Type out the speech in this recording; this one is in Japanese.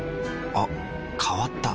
あ変わった。